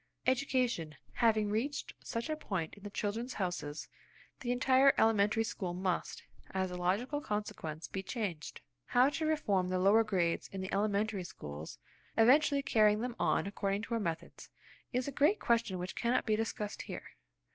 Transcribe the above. Education having reached such a point in the "Children's Houses," the entire elementary school must, as a logical consequence, be changed. How to reform the lower grades in the elementary schools, eventually carrying them on according to our methods, is a great question which cannot be discussed here.